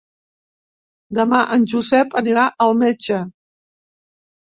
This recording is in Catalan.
Demà en Josep anirà al metge.